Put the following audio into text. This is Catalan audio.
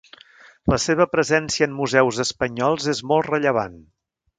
La seva presència en museus espanyols és molt rellevant.